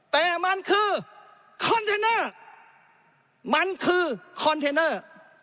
แต่มันคือคอนเทนเนอร์มันคือคอนเทนเนอร์